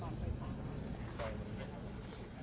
อันนี้ไม่ใช่เงา